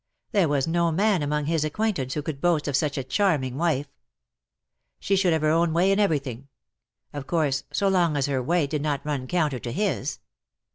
There was no man among his acquaintance who could boast of such a charming wife. She should have her own way in everything : of course, so long as her way did not run counter to his.